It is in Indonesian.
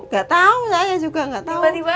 nggak tahu saya juga nggak tahu